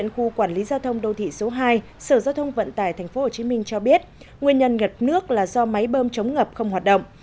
kinh cho biết nguyên nhân ngập nước là do máy bơm chống ngập không hoạt động